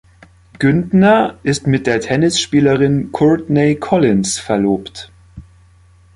Güntner ist mit der Tennisspielerin Courtney Collins verlobt.